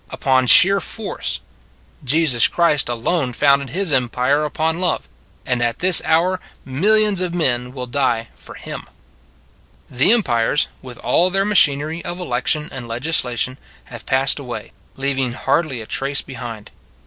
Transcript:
Upon sheer force. Jesus Christ alone founded his empire upon love: and at this hour millions of men will die for him. The empires, with all their machinery of election and of legislation, have passed away, leaving hardly a trace behind.